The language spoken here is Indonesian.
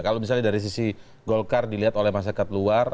kalau misalnya dari sisi golkar dilihat oleh masyarakat luar